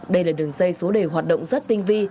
đây là đường dây số đề hoạt động rất tinh vi